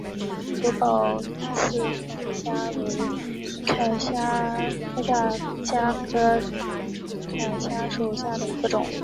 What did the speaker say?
久保刺铠虾为铠甲虾科刺铠虾属下的一个种。